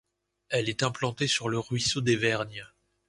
Elle est implantée sur le ruisseau des Vergnes.